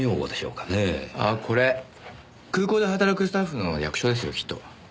ああこれ空港で働くスタッフの略称ですよきっと。